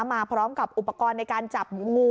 มาพร้อมกับอุปกรณ์ในการจับงู